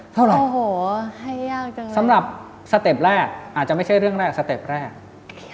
เท่าไรสำหรับสเต็ปแรกอาจจะไม่ใช่เรื่องแรกสเต็ปแรกให้ยากเกิน